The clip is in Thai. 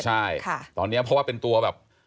ใช่ตอนนี้เพราะว่าเป็นตัวแบบ